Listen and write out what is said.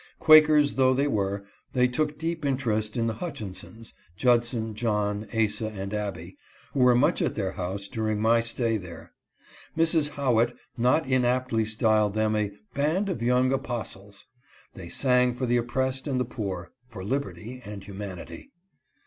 Quakers though they were, they took deep interest in the Hutchinsons — Judson, John, Asa, and Abby — who were much at their house during my stay there. Mrs. Howitt not inaptly styled them a " Band of young apostles." They sang for the oppressed and the poor — for liberty and humanity.